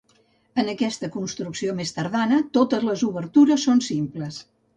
En aquesta construcció més tardana totes les obertures són simples.